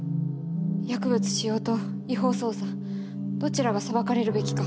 薬物使用と違法捜査どちらが裁かれるべきか。